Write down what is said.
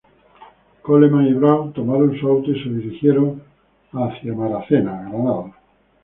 Coleman y Brown tomaron su auto y se dirigieron hacia Evanston, Illinois.